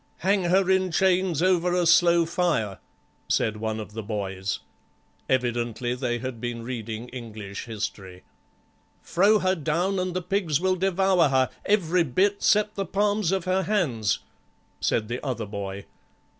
"Hang her in chains over a slow fire," said one of the boys. Evidently they had been reading English history. "Frow her down the pigs will d'vour her, every bit 'cept the palms of her hands," said the other boy.